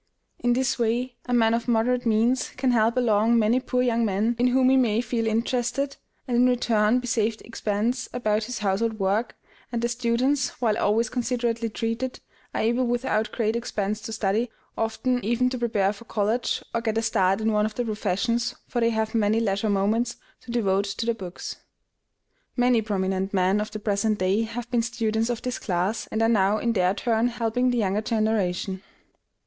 In this way, a man of moderate means can help along many poor young men in whom he may feel interested, and in return be saved expense about his household work; and the students, while always considerately treated, are able without great expense to study, often even to prepare for college, or get a start in one of the professions, for they have many leisure moments to devote to their books. Many prominent men of the present day have been students of this class, and are now in their turn helping the younger generation.